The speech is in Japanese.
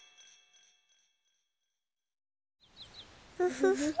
フフフ。